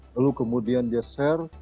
lalu kemudian dia share